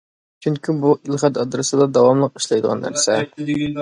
چۈنكى بۇ ئېلخەت ئادرېسىدا داۋاملىق ئىشلەيدىغان نەرسە.